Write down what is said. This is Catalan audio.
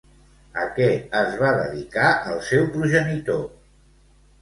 A què es va dedicar el seu progenitor?